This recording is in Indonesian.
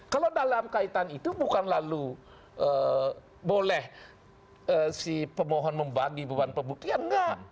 kalau dalam kaitan itu bukan lalu boleh si pemohon membagi beban pembuktian enggak